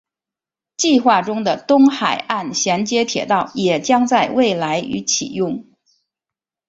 计划中的东海岸衔接铁道也将在未来于启用。